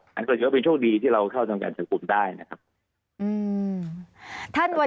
ข้อมูลเนี่ยเรามีข้อมูลอยู่นานเหมือนทุกคนนะครับในกลุ่มแก๊งนี้นะครับ